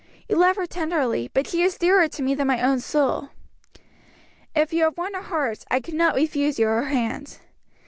You love her tenderly, but she is dearer to me than my own soul." "If you have won her heart, I cannot refuse you her hand.